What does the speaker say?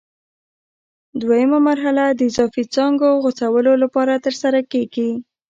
دوه یمه مرحله د اضافي څانګو غوڅولو لپاره ترسره کېږي.